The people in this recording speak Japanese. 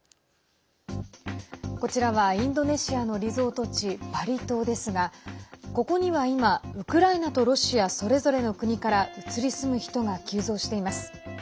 こちらはインドネシアのリゾート地、バリ島ですがここには今、ウクライナとロシアそれぞれの国から移り住む人が急増しています。